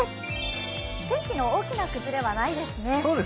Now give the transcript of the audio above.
天気の大きな崩れはないですね。